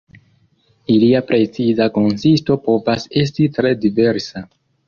Ilia preciza konsisto povas esti tre diversa.